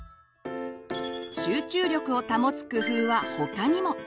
集中力を保つ工夫は他にも。